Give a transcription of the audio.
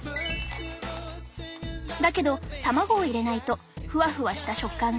だけど卵を入れないとふわふわした食感が出ないそう。